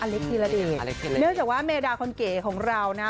อเล็กท์ทีละเด็กเนื่องจากว่าเมดาคนเก๋ของเรานะ